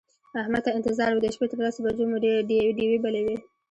احمد ته انتظار و د شپې تر لسو بجو مو ډېوې بلې وې.